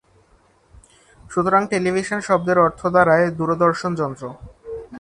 সুতরাং টেলিভিশন শব্দের অর্থ দাঁড়ায় দূরদর্শন যন্ত্র।